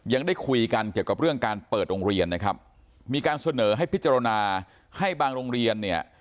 ยังได้คุยกันเกี่ยวกับเรื่องการเปิดโรงเรียนนะครับมีการเสนอให้พิจารณาให้บางโรงเรียนเนี่ย